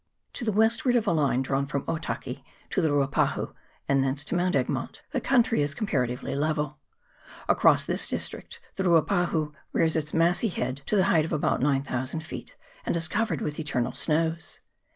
To the westward of a line drawn from Otaki to the Ruapahu, and thence to Mount Egmont, the country is comparatively level. Across this district the Ruapahu rears its massy head to the height of about 9000 feet, and is covered with eternal snows.